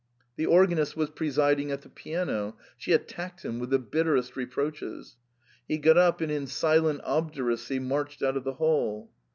The organist was presiding at the piano ; she attacked him with the bitterest reproaches. He got up and in silent obduracy marched out of the hall.